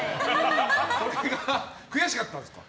これが悔しかったんですか？